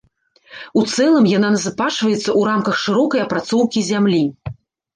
У цэлым яна назапашваецца ў рамках шырокай апрацоўкі зямлі.